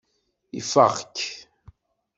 Ifeɣ-k.